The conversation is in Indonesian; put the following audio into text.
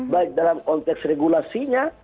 baik dalam konteks regulasinya